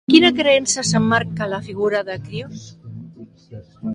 En quina creença s'emmarca la figura de Crios?